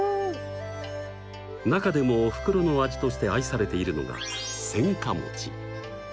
中でもおふくろの味として愛されているのが鮮花。